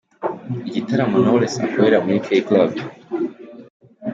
Igitaramo Knowless akorera muri K Club.